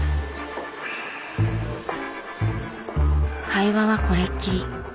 会話はこれっきり。